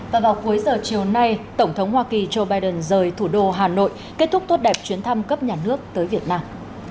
và vào cuối giờ chiều nay tổng thống hoa kỳ joe biden rời thủ đô hà nội kết thúc tốt đẹp chuyến thăm cấp nhà nước tới việt nam